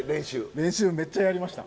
練習めっちゃやりました。